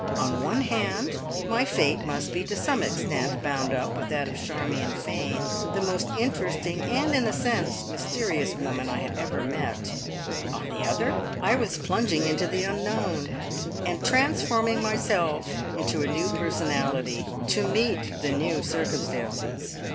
On one hand, my fate must be to some extent bound up with that of Charmion Fane, the most interesting and, in a sense, mysterious woman I had ever met; on the other, I was plunging into the unknown, and transforming myself into a new personality, to meet the new circumstances.